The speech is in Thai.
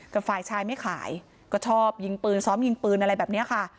แต่ฝ่ายชายไม่ขายก็ชอบยิงปืนซ้อมยิงปืนอะไรแบบนี้ค่ะ